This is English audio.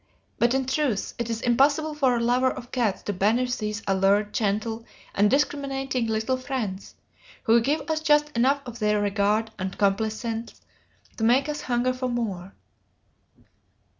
But, in truth, it is impossible for a lover of cats to banish these alert, gentle, and discriminating little friends, who give us just enough of their regard and complaisance to make us hunger for more.